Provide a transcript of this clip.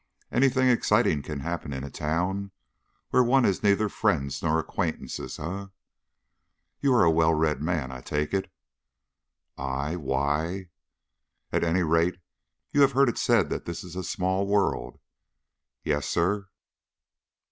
Anything exciting can happen in a town where one has neither friends nor acquaintances, eh? You are a well read man, I take it." "I? Why " "At any rate, you have heard it said that this is a small world." "Yes, sir."